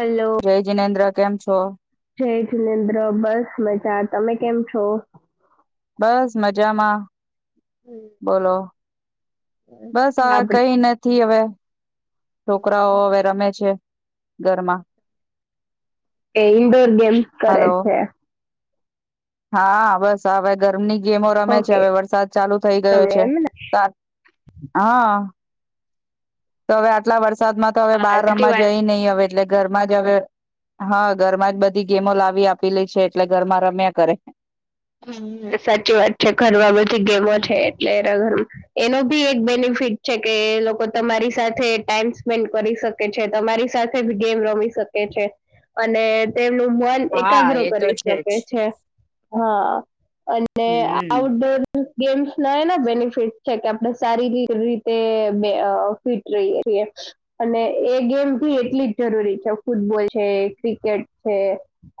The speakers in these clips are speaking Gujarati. હલો જય જિનેન્દ્ર કેમ છો જય જિલેન્દ્ર બસ મજા તમે કેમ છો. બસ મજા માં બોલો બસ આ આપડે કઈ નથી હવે છોકરાઓ અવે રમે છે. ઘરમાં એન્ડ ગેમ્સ કરે હલો છે. હા બસ આ વેગ રૂમની ગેમો રમે છે ઓકે હવે વરસાદ ચાલુ થઈ ગયો તમે છે એમ ને તા હા તો અવે આટલા વર્ષ વરસાદમાં તો હવે હા બાર સાચી રમવા વાત જય નહીં હવે એટલે ઘરમાં જ હવે હા ઘરમાં જ બધી ગેમો લાવી આપેલી છે એટલે ઘરમાં રમ્યા કરે. સાચી વાત છે ઘરમાં બધી ગેમો છે એટલે એના ઘર એનો બી એક બેનિફિટ છે કે લોકો તમારી સાથે ટાઈમ સ્પેન્ડ કરી શકે છે તમારી સાથે બી ગેમ રમી શકે છે અને તે પેલુ બોલ હા એકાગ્ર એ તો કરી જ શકે છે. હા અને હમ આઉટડોર ગેમ્સ ના એના બેનિફિટ છે કે આપણે સારિરીક રીતે બે અ ફિટ રહીએ છીએ અને એ ગેમ બી એટલી જ જરૂરી છે ફૂટબોલ છે ક્રિકેટ છે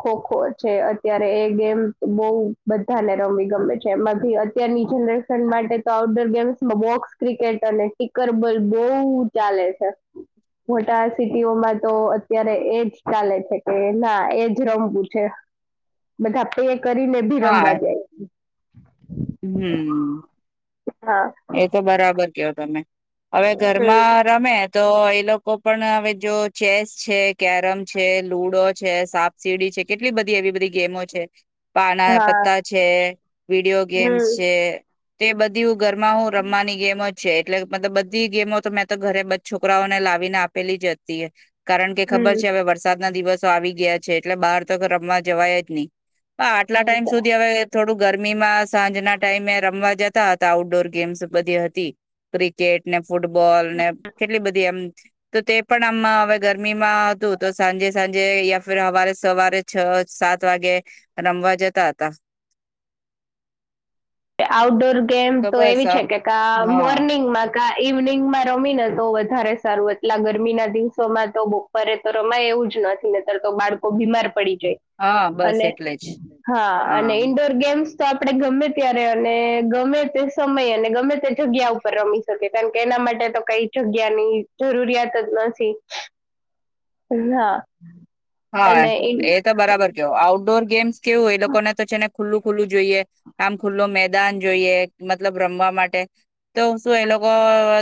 ખોખો છે અત્યારે એ ગેમ બઉ બધાને રમવી ગમે છે એમાં ભી અત્યારની જનરેશન માટે તો આઉટડોર ગેમ્સમાં બોક્સ ક્રિકેટ અને ટીકરબોલ બહ ચાલે છે મોટા સિટીઓમાં તો અત્યારે એજ ચાલે છે કે ના એજ રમવું છે બધા તોએ કરીને ભી રમવા હા જાય. હમ હા એ તો બરાબર કેવ તમે હવે હમ ઘરમાં રમે તો એ લોકો પણ હવે જો ચેસ છે કેરમ છે લુડો છે સાપ સીડી છે કેટલી બધી એવી બધી ગેમો છે. પાના હા પત્તા છે વિડીયો ગેમ્સ હમ છે. તે બધી માં હું રમવાની ગેમ છે એટલે મતલબ બધી ગેમો તો મેં તો ઘરે બધ છોકરાઓને લાવીને આપેલી જ હતી હ કારણ કે હમ ખબર છે હવે વરસાદ. ના દિવસો આવી ગયા છે એટલે બહાર તો રમવા જવાય જ નહી હ આટલા ટાઈમ સુધી હવે થોડું ગરમીમાં સાંજ ના ટાઈમે રમવા જતા હતા. આઉટડોર ગેમ્સ બધી હતી ક્રિકેટ ને ફૂટબોલ ને કેટલી બધી એમ તો તે પણ આમમાં હવે ગરમીમાં હતું તો સાંજે સાંજે યા ફ સવારે સવારે છ સાત વાગે રમવા જતા હતા આઉટ ડોર. ગેમ તો બસ એવી અ છે કે હા મોર્નિંગમાં. ઈવનિંગમાં રમી ને તો વધારે સારું એટલા ગરમીના દિવસોમાં તો બપરે તો રમાય એવું જ નથી નેતર તો બાળકો બીમાર પડી હા બસ અને એટલે જ હા અને ઇન્ડોર ગેમ્સ તો આપડે ગમે અત્યારે અને ગમે તે સમય અને ગમે તે જગ્યા ઉપર રમી શકે કારણ કે એના માટે તો કઈ જગ્યાની જરૂરિયાત જ નથી હા હા અને એ તો બરાબર કેવ આઉટડોર ગેમ્સ કેવું હોય એ લોકોને તો છે ને ખુલ્લું ખુલ્લું જોઈએ આમ ખુલ્લ મેદાન જોઈએ મતલબ રમવા માટે તો શું એ લોકો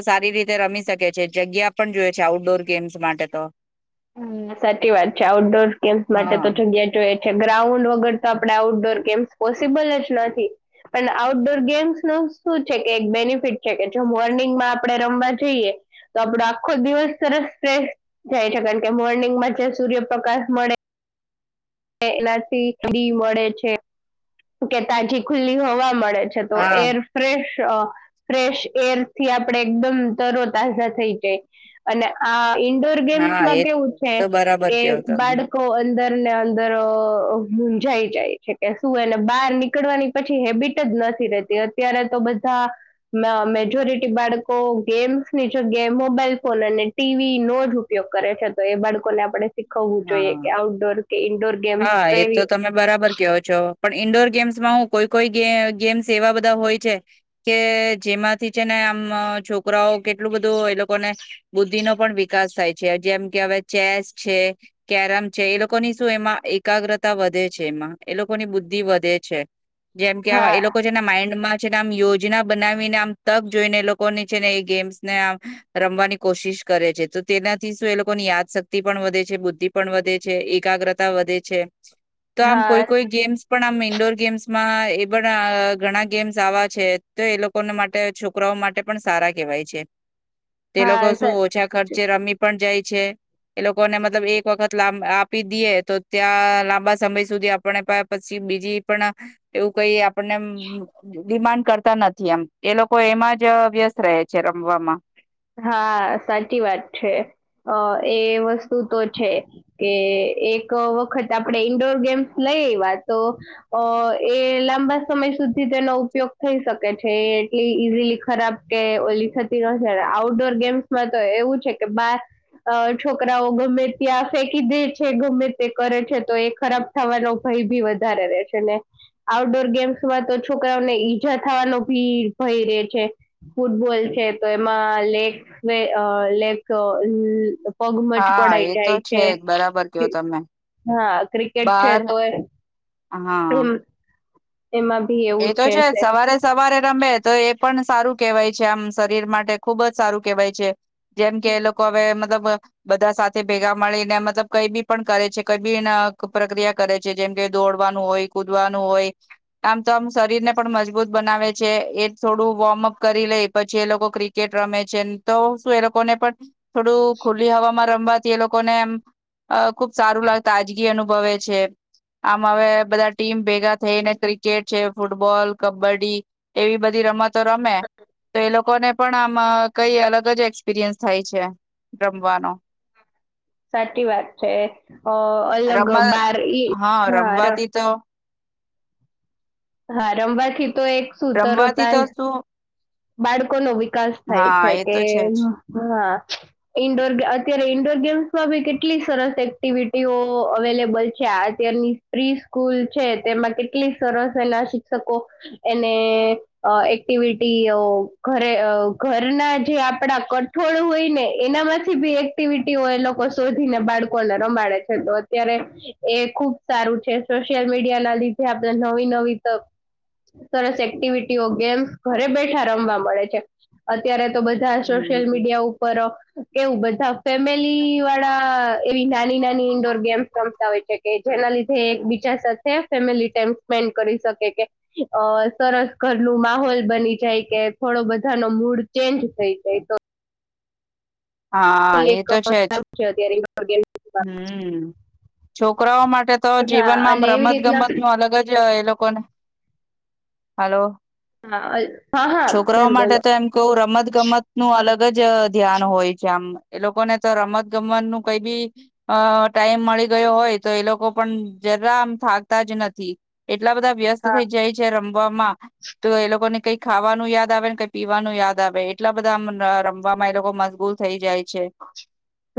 સારી રીતે રમી શકે છે જગ્યા પણ જોય છે આઉટડોર ગેમ્સ માટે તો હમ સાચ ચી વાત છે આઉટડોર ગેમ્સ માટે હા તો જગ્યાએ જોએ ગ્રાઉન્ડ વગર તો આપણેે આઉટડોર ગેમ્સ પોસિબલ જ નથી પણ આઉટડોર ગેમ્સનુ શું છે કે એક બેનિફિટ છે કે જો મોર્નિંગમાં આપણે રમવા જઈએ તો આપડો આખો દિવસ સરસ ફ્રેસ જાય છે કારણ કે મોર્નિંગમાં જે સૂર્યપ્રકાશ મળે એનાથી ફ્રી મળે છે કે તાજી ખુલ્લી હોવા મળે મળે છે તો હા એર ફ્રેશ ફ્રેશ એરથી આપણેે એકદમ તરો તજા થઈ જાય અને આ ઈન્ડોર હા ગેમ્સમાં એ કેવું છે તો બરાબર કે કેવો તમે બાળકો અંદર ને અં દરો મુંજાઈ જાય છે કે શું એને બહાર નીકળવાની પછી હેબિટ જ નથી રહેતી અત્યારે તો બધા મેજોરિટી બાળકો ગેમ્સની જગ્યાએ મોબાઈલ ફોન અને ટીવીનો જ ઉપયોગ કરે છે તો એ બાળકોને આપણે શીખવું જોઈએ હા કે આઉટડોર ઈન્ડોર ગેમ્સ હા એ તો કઈ તમે બરાબર કેવો છો. પણ ઈન્ડોર ગેમ્સમાં હું કોઈ કોઈ ગેમ્સ એવા બધા હોય છે કે જેમાંથી છે ને આમ છોકરાઓ કેટલું બધું એ લોકોને બુદ્ધિનો પણ વિકાસ થાય છે જેમ કે હવે ચેસ છે. કેરમ છે એ લોકોની શું એમાં એકાગ્રતા વધે છે એમાં એ લોકોની બુદ્ધિ વધે છે. જેમ કે એ હા લોકો જેના માઇન્ડમાં આમ યોજના બનાવીને આમ તક જોઈને એ લોકોને છે ને એ ગેમ્સને આમ રમવાની કોશિશ કરે છે તો તેનાથી શું એ લોકોની યાદશક્તિ પણ વધે છે બુ દ્ધિ પણ વધે છે એકાગ્રતા વધે છે. તો આમ હા કોઈ કોઈ ગેમ્સ પણ આમ ઇન્ડોર ગેમ્સ માં એ પણ ઘણા ગેમ્સ આવા છે તો એ લોકોને માટે છોકરાઓ માટે પણ સારા કેહેવાય છે. તે હા લોકો શું સર ઓછા ખર્ચે રમી પણ જાય છે એ લોકોને મતલબ એક એક વખત આપી દઈએ તો ત્યાં લાંબા સમય સુધી આપણે પછી બીજી પણ એવું કઈ આપણને આમ ડીમાન્ડ કરતા નથી એમ એ લોકો એમાં જ વ્યસ્ત રહે છે રમવામાં હા સાચી વાત છે અ એ વસ્તુ તો છે કે એક વખત આપણે ઈન્ડોર ગેમ્સ લઈ એવા તો અ એ લાંબા સમય સુધી તેનો ઉપયોગ થઈ શકે છે એ એટલી ઈઝીલી ખરાબ કે ઓલી થતી ન જણા આઉટડોર ગેમ્સમાં તો એવું છે કે બા છોકરાઓ ગમે ત્યાં ફેકી દે છે ગમે તે કરે છે તો એ ખરાબ થવાનો ભય ભી વધારે રે છે ને આઉટડોર ગેમ્સમાં તો છોકરાઓને ઈજા થવાનો ભી ભય રે છે ફૂટબોલ છે તો એમાં મા લેગ અ લેગ પગ હા મજકોળાઈ એ તો જાય છે જ બરાબર કયો તમે હા ક્રિકેટ છે બાર તો એ હા એમ એમાં બી એ એવું તો છે જ સે સવારે સવારે રમે તો એ પણ સારું કેહેવાય છે આમ શરીર માટે ખુબ જ સારું કેહેવાય છે જેમ કે એ લોકો હવે મતલબ બધા સાથે ભેગા મળીને મતલબ કઈ બી પણ કરે છે કઈ બી પ્રક્રિયા કરે છે જેમ કે દોડવાનું હોય કુદવાનું હોય આમ તો આમ શરીર ને પણ મજબૂત બનાવે છે એ થોડું વોર્મઅપ કરી લઈ પછી એ લોકો ક્રિકેટ રમે છે તો શું એ લોકોને પણ થોડું ખુલ્લી હવામાં રમવાથી એ લોકોને એમ ખુબ સારું લાગ તાજગી અનુભવે છે આમ હવે બધા ટીમ ભેગા થઈને ક્રિ ક્રિકેટ છે ફૂટબોલ કબડ્ડી એવી બધી રમતો રમે તો એ લોકોને પણ આમ કઈ અલગ જ એક્સપિરિયન્સ થાય છે રમવાનો સાચી વાત છે અ અલગ રમવા બાર ઈ હા ર રમવાથી તો હા રમવાથી તો એક સૂતરો રમવાથી તા તો શું બાળકો ન વિકાસ થાય હા છે એ કે તો છે જ હ ઇન્ડોર ગે અતી ઇન્ડોર ગેમ્સમાં બી કેટલી સરસ એક્ટિવિટીઓ અવેલેબલ છે અત્યારની પ્ર્રી સ્કૂલ છે તેમાં કેટલી સરસ એના શિક્ષકો એને અ એક્ટિવિટી ઘરે ઘરના જે આપડા કઠોળ હોય ને એનામાંથી બી એક્ટિવિટીઓ એ લોકો શોધીને બાળકોને રમાડે છે તો અત્યારે એ ખુબ સારું છે સોશિયલ મીડિયા ના લીધે આપણે નવી નવી સરસ એક્ટિવિટીઓ ગેમ ઘરે બેઠા રમવા મળે છે અત્યારે તો બધા સોશિયલ હમ મીડિયા ઉપર કેવું બધા ફેમિલી વાળા એવી નાની નાની ઈન્ડોર ગેમ્સ રમતા હોયે છે કે જેના લીધે એક બીજા સાથે ફેમિલી ટાઈમ સ્પેન્ડ કરી શકે કે સરસ ઘર ન માહોલ બની જાય કે થોડો બધા ન મૂડ ચેન્જ થઈ જાય તો હા એ એક તો છે જ સારું અત્યારે માં. હમ્મ છોકરાઓ માટે તો હા જીવનમાં આમ અને એવી રમત રીતના ગમત નું અલગ જ એ લોક કોણ હલો હા હા છોકરાઓ મેમ માટે બોલો તો એમ કવું રમત ગમત નું અલગ જ ધ્યાન હોય છે આમ એ લોકોને તો રમત ગમત નું કઈ બી અ ટાઈમ મળી ગયો હોય તો એ લોકો પણ જરા આમ થાકતા જ નથી એટલા બધા વ્યસ્ત હા થઈ જાય છે રમ રમ તો એ લોકોને કઈ ખાવાનું યાદ આવે ને કઈ પીવાનું યાદ આવે એટલા બધા રમવામાં એ લોકો મશગુલ થઈ જાય છે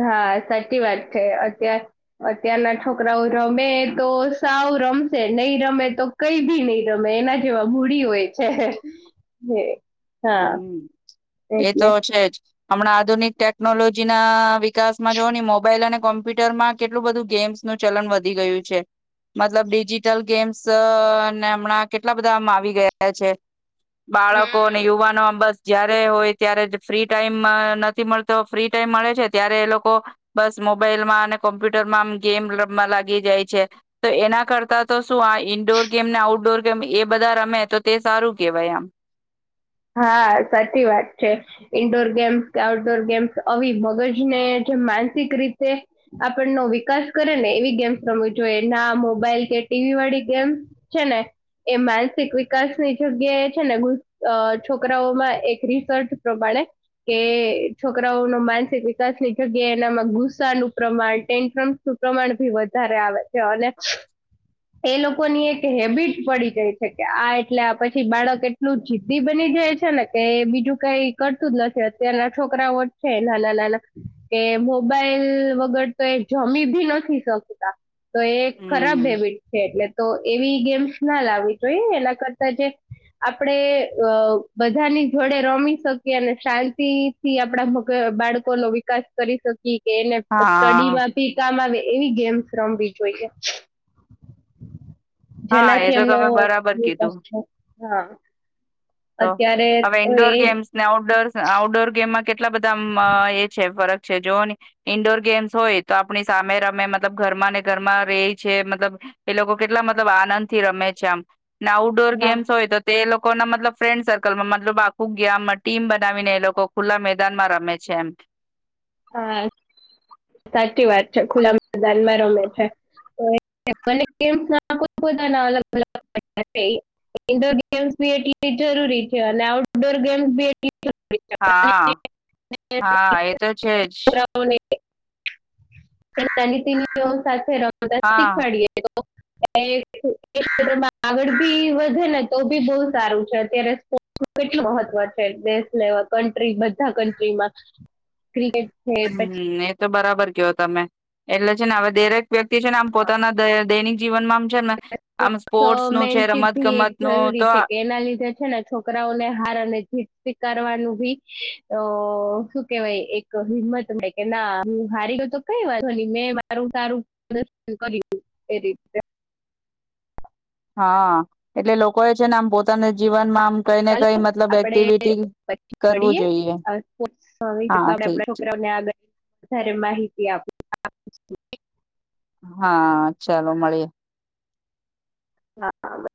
હા સાચી વાત છે અતાર અત્યારના છોકરાઓ રમે તો સાવ રમશે નહી રમે તો કઈ ભી નહી રમે એના જેવા મૂડી હોય છે હા હમ્મ એ એટલે તો છે જ હમણાં આધુનિક ટેકનોલોજી ના વિકાસમાં જોઓ ને મોબાઈલ અને કોમ્પ્યુટરમાં કેટલું બધું ગેમ્સનું ચલન વધી ગયું છે મતલબ ડિજીિટલ ગેમ્સ ને હમણાં કેટલા બધા આમ આવી ગયા છે બાળકો હમ અને યુવાનો આમ બસ જયારે હોય ત્યારે ફ્રી ટાઈમ નથી મળતો ફ્રી ટાઈમ મળે છે ત્યારે એ લોકો બસ મોબાઈલમાં અને કોમ્પ્યુટરમાં આમ ગેમ રમ લાગી જાય છે તો એના કરતા તો શું આ ઈન્ડોર ગેમ ને આઉટડોર ગેમ એ બધા રમે તો તે સારું કેહેવાય આમ હા સાચી વાત છે ઈન્ડોર ગેમ્સ કે આઉટડોર ગેમ્સ આવી મગજને જે માનસિક રીતે આપણનો વિકાસ કરે ને એવી ગેમ્સ રમવુ જોઈએ ના મોબાઈલ કે ટીવી વાળી ગેમ્સ છે ને એ માનસિક વિકાસની જગ્યાએ છે ને છોકરાઓમાં એક રિસર્ચ પ્રમાણે કે છોકરાઓનો માનસિક વિકાસની જગ્યા એનામાં ગુસ્સાનું પ્રમાણ ટેન્ટ્રન્સ નું પ્રમાણ ભી વધારે આવે છે અને એ લોકોની એક હેબિટ પડી જાય છે કે આ એટલે આ પછી બાળક એટલું જીદી બની જાય છે ને કે બીજું કઈ કરતું જ નથી અત્યારના છોકરાઓ જ છેલ કે મો મોબાઈલ વગર તો એ જમી નથી શકતા તો એ ખરાબ હમ હેબિટ છે એટલે તો એવી ગેમ્સ ના લાવવી જોઈએ એના કરતા જે આપણેે અ બધાની જોડે રમી શકી અને શાંતિ થી આપડા બાળકો નો વિકાસ કરી શકીએ કે એને સ્ટડી હા માં ભી કામ આવે એવી ગેમસ રમવી જોઈએ હા એ જેનાથી તો એમનો તમે બરાબર વિકાસ કીધું છે હા તો અત્યારે હવે તો એ ઇન્ડોર ગેમ્સ ને આઉટડોર આઉટડોર ગેમમાં કેટલા બધા એ છે ફરક છે જો ઈન્ડોર ગેમ્સ હોય તો આપણી સામે રમે મતલબ ઘરમાં ને ઘરમાં રે છે મતલબ એ લોકો કેટલા મતલબ આનંદ થી રમે છે આમ આઉટડોર હા ગેમ્સ હોય તો તે લોકો કોના મતલબ ફ્રેન્ડ સર્કલમાં મતલબ આખું ગામ ટીમ બનાવીને એ લોકો ખુલ્લા મેદાનમાં રમે છે એમ હા સાચી વાત છે ખુલ્લા મેદાનમાં રમે છેના ગેમ એટ જરૂરી છે અને આઉટડોર ગેમ હા હા એ તો જજ તની તની સાથે રમતા હા શીખવાડીએ ક્ષેમાં આગળ બી વધે ને તો બી બહ સારું છે અત્યારે સ્પોર્ટ કેટલું મહત્વ છે દેશ લેવાલ કન્ટ્રી બધા કન્ટ્રીમાં ક્રિકેટ. હ છે પછી એ તો બરાબર. ખબર કયો તમે એટલે છે ને હવે દેરેક. વ્યક્તિ છે ને આમ પોતાના દૈનિક. જીવનમાં આમ છે ને આમ સ્પોર્ટ્સ નું છે રમત મેનશીપી એક ગમત નું જરૂરી તો છે કે એના લીધે છે ને છોકરાઓને હાર અને જીત સ્વીકારવાનું ભી. તો શું કેવાય એક હિંમત મળે કે ના હ હારી ગયો તો કઈ વાત મેં મારું સારુંર્શન કર્યું એ રી. હા એટલે લોકો એ છે ને આમ પોતાને. ચાલો આપડે પછી કરવું મળીએ જોઈએ હા આપ ઠીક છે છોકરાઓને આગળ. વધારે માહિતી આપ. હા ચાલો મળીએ. હા બ.